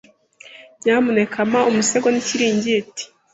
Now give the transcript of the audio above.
Nyamuneka mpa umusego n'ikiringiti.